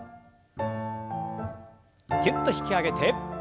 ぎゅっと引き上げて。